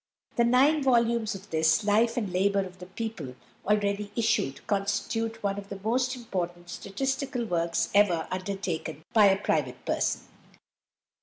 The nine volumes of this "Life and Labor of the People," already issued, constitute one of the most important statistical works ever undertaken by a private person.